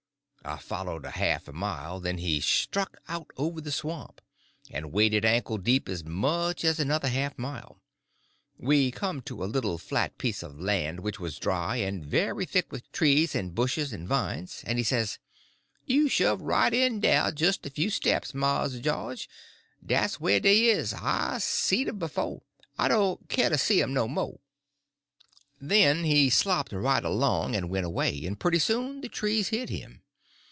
I followed a half a mile; then he struck out over the swamp, and waded ankle deep as much as another half mile. We come to a little flat piece of land which was dry and very thick with trees and bushes and vines, and he says: "You shove right in dah jist a few steps, Mars Jawge; dah's whah dey is. I's seed 'm befo'; I don't k'yer to see 'em no mo'." Then he slopped right along and went away, and pretty soon the trees hid him.